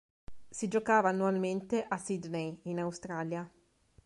Si giocava annualmente a Sydney in Australia.